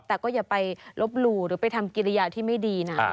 แต่ก็อย่าไปลบหลู่หรือไปทำกิริยาที่ไม่ดีนะ